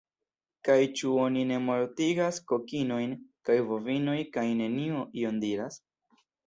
Kaj ĉu oni ne mortigas kokinojn kaj bovinojn kaj neniu ion diras?